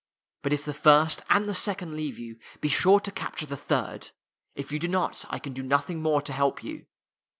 But if the first and the second leave you, be sure to capture the third. If you do not, I can do nothing more to help you.